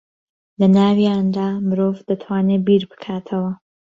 لە ناویاندا مرۆڤ دەتوانێ بیر بکاتەوە